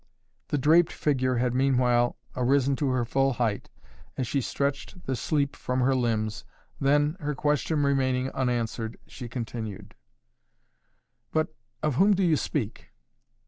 The draped figure had meanwhile arisen to her full height, as she stretched the sleep from her limbs, then, her question remaining unanswered, she continued: "But of whom do you speak?